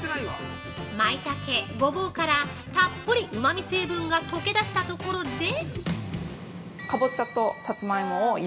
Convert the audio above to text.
◆マイタケ、ゴボウから、たっぷりうまみ成分が溶け出したところで。